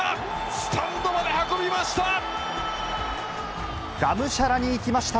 スタンドまで運びました。